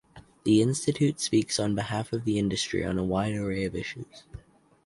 The institute speaks on behalf of the industry on a wide array of issues.